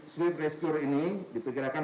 sleep rescue ini diperkirakan